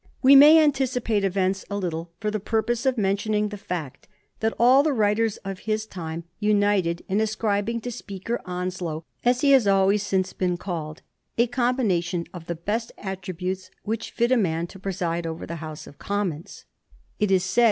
We may anticipate events a little for the purpose of mentioning the fact that all the writers of his time united in ascribing to Speaker Onslow, as he has always since been called, a com bination of the best attributes which fit a man to preside over the House of Conmions, It is said that VOL.